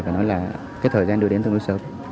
phải nói là cái thời gian đưa đến tương đối sớm